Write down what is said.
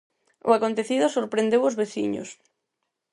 O acontecido sorprendeu os veciños.